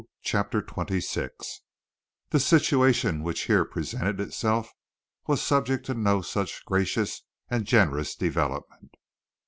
CHAPTER XXVI The situation which here presented itself was subject to no such gracious and generous development.